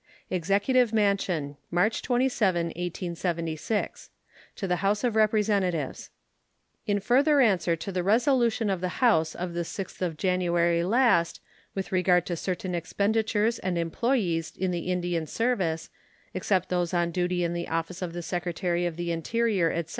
EXECUTIVE MANSION, March 27, 1876. To the House of Representatives: In further answer to the resolution of the House of the 6th of January last, with regard to certain expenditures and employees in the Indian service, except those on duty in the office of the Secretary of the Interior, etc.